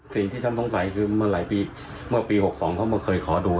สิ่งที่ฉันต้องใส่คือเมื่อปี๖๒เขาเคยมาขอดู